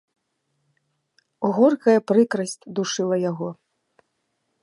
Горкая прыкрасць душыла яго.